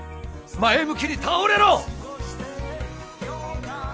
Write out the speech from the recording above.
前向きに倒れろ！